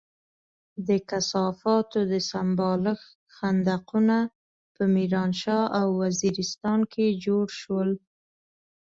د کثافاتو د سمبالښت خندقونه په ميرانشاه او وزيرستان کې جوړ شول.